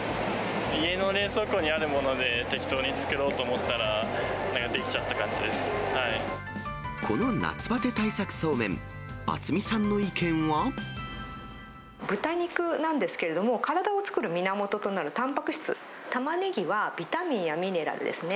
家の冷蔵庫にあるもので適当に作ろうと思ったら、この夏バテ対策そうめん、豚肉なんですけれども、体を作る源となるたんぱく質、タマネギはビタミンやミネラルですね。